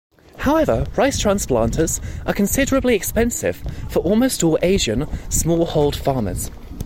However, rice transplanters are considerably expensive for almost all Asian small-hold farmers.